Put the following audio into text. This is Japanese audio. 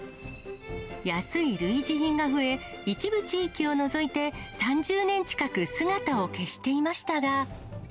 安い類似品が増え、一部地域を除いて３０年近く姿を消していましたが。